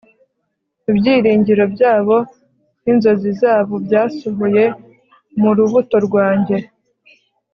ibyiringiro byabo n'inzozi zabo byasohoye mu rubuto rwanjye